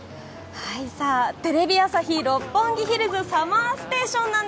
テレビ朝日・六本木ヒルズＳＵＭＭＥＲＳＴＡＴＩＯＮ。